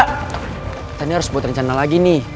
kita ini harus buat rencana lagi nih